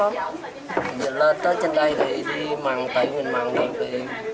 lên tới trên đây thì đi mằng tẩy mềm mằng được thì dễ tiến tiền hơn dưới